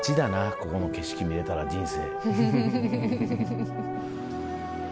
ここの景色見れたら人生。